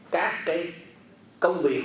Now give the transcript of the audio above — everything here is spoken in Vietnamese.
các cái công việc